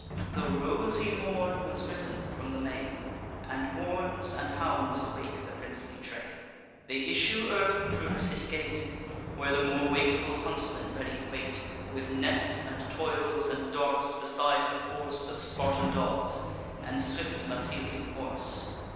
The rosy morn was risen from the main, And horns and hounds awake the princely train: They issue early thro' the city gate, Where the more wakeful huntsmen ready wait, With nets, and toils, and darts, beside the force Of Spartan dogs, and swift Massylian horse.